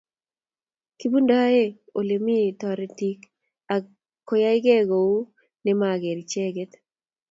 kibundoe ole mi toretiik ak koyaikei kou nemageer icheket